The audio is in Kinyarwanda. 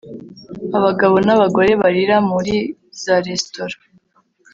Abagabo nabagore barira muri za resitora